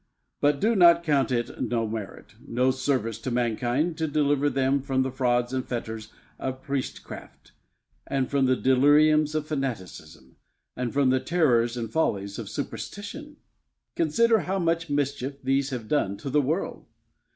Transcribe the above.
But do you count it no merit, no service to mankind, to deliver them from the frauds and fetters of priestcraft, from the deliriums of fanaticism, and from the terrors and follies of superstition? Consider how much mischief these have done to the world!